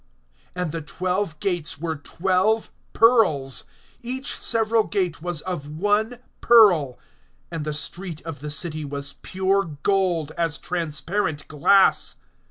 (21)And the twelve gates were twelve pearls; each several gate was of one pearl; and the street of the city was pure gold, as transparent glass.